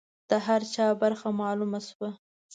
د هر چا برخه معلومه شوه.